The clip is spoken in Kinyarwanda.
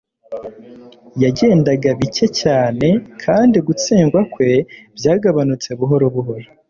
yagendaga bike cyane kandi gutsindwa kwe byagabanutse buhoro buhoro